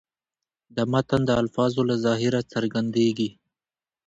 د متن د الفاظو له ظاهره څرګندېږي.